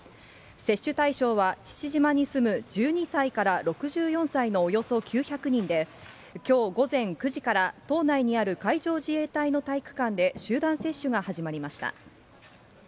接種対象は父島に住む１２歳から６４歳のおよそ９００人で、きょう午前９時から島内にある海上自衛隊の体育館で集団接種が始まりました。